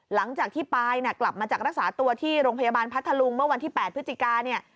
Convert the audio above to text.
หลังจากที่ปายกลับมาจากรักษาตัวที่โรงพยาบาลพัทธลุงเมื่อวันที่๘พฤศจิกาเนี่ย